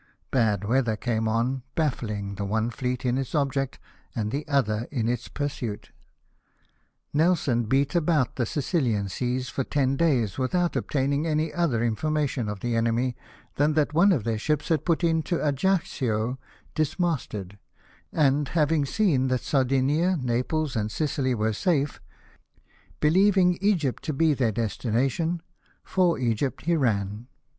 Bad weather came on, baffling the one fleet in its object and the other in its pursuit. Nelson beat about the Sicilian seas for ten days without obtaining any other information of the enemy than that one of their ships had put into Ajaccio dis masted ; and having seen that Sardinia, Naples, and Sicily were safe, believing Eg3rpt to be their destina tion, for Egypt he ran.